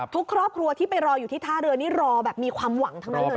ทุกครอบครัวที่ไปรออยู่ที่ท่าเรือนี่รอแบบมีความหวังทั้งนั้นเลย